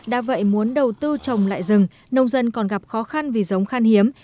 đã vậy muốn đầu tư trồng lại rừng nông dân còn gặp khó khăn vì giống khan hiếm